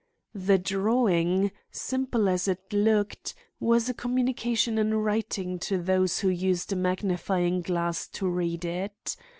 The drawing, simple as it looked, was a communication in writing to those who used a magnifying glass to read it.